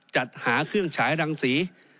จัดหาเครื่องฉายรังสี